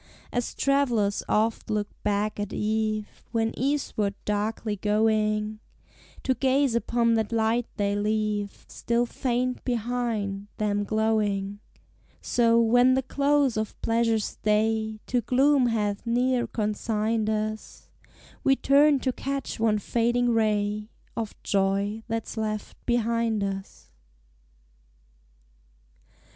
As travellers oft look back at eve When eastward darkly going, To gaze upon that light they leave Still faint behind, them glowing, So, when the close of pleasure's day To gloom hath near consigned us, We turn to catch one fading ray Of joy that's left behind us.